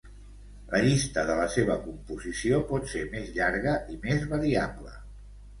La llista de la seva composició pot ser més llarga i més variable.